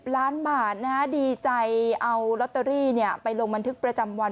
ล้านบาทดีใจเอาลอตเตอรี่ไปลงบันทึกประจำวัน